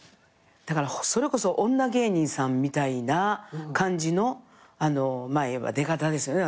だからそれこそ女芸人さんみたいな感じのあの出方ですよね